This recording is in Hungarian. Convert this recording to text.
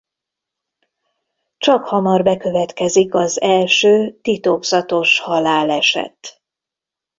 Csakhamar bekövetkezik az első titokzatos haláleset.